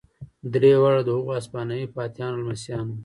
درې واړه د هغو هسپانوي فاتحانو لمسیان وو.